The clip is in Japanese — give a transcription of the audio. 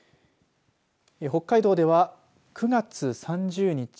北海道では９月３０日